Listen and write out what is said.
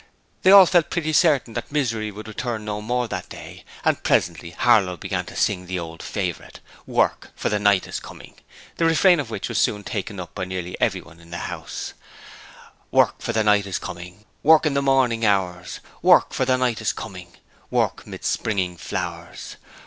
They all felt pretty certain that Misery would return no more that day, and presently Harlow began to sing the old favourite. 'Work! for the night is coming!' the refrain of which was soon taken up by nearly everyone in the house: 'Work! for the night is coming, Work in the morning hours. Work! for the night is coming, Work 'mid springing flowers.